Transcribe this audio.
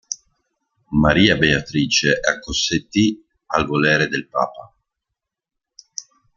Maria Beatrice acconsentì al volere del papa.